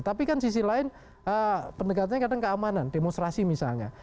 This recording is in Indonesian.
tapi kan sisi lain pendekatannya kadang keamanan demonstrasi misalnya